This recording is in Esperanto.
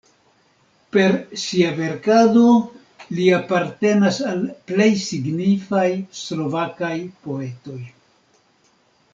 Per sia verkado li apartenas al plej signifaj slovakaj poetoj.